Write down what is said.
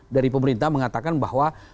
dari pemerintah mengatakan bahwa